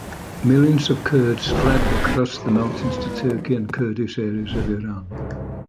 Millions of Kurds fled across the mountains to Turkey and Kurdish areas of Iran.